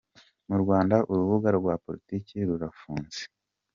-Mu Rwanda urubuga rwa politiki rurafunze